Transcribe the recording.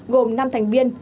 gồm năm thành viên